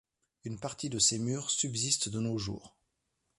Une partie de ses murs subsiste de nos jours.